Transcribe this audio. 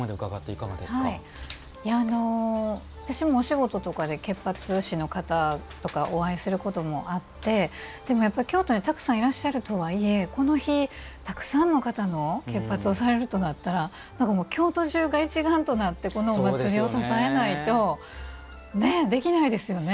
私もお仕事とかで結髪師の方とかお会いすることもあって京都にたくさんいらっしゃるとはいえこの日、たくさんの方の結髪をされるとなったらなんか京都じゅうが一丸となってこのお祭りを支えないとできないですね。